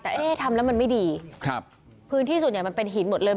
แต่เอ๊ะทำแล้วมันไม่ดีครับพื้นที่ส่วนใหญ่มันเป็นหินหมดเลย